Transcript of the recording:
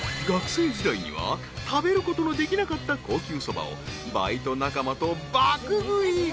［学生時代には食べることのできなかった高級そばをバイト仲間と爆食い］